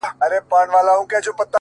زما خو ټوله كيسه هر چاته معلومه؛